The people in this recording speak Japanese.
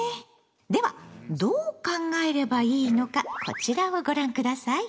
ではどう考えればいいのかこちらをご覧下さい。